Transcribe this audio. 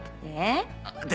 で？